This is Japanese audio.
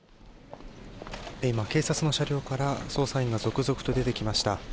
今、警察の車両から捜査員が続々と出てきました。